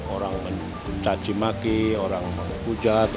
orang mencacimaki orang menpujat